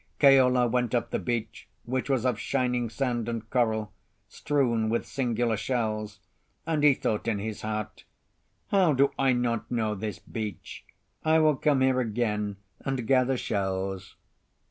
Keola went up the beach, which was of shining sand and coral, strewn with singular shells; and he thought in his heart— "How do I not know this beach? I will come here again and gather shells."